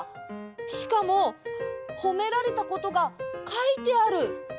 しかもほめられたことがかいてある。